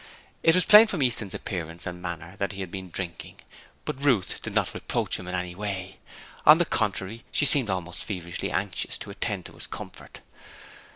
It was plain from Easton's appearance and manner that he had been drinking, but Ruth did not reproach him in any way; on the contrary, she seemed almost feverishly anxious to attend to his comfort.